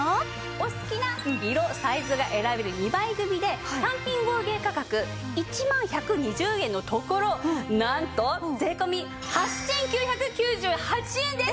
お好きな色サイズが選べる２枚組で単品合計価格１万１２０円のところなんと税込８９９８円です！